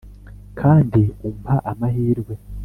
kandi umpa amahirwe